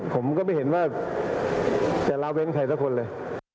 ผมก็ไม่เห็นว่าจะละเว้นใครสักคนเลย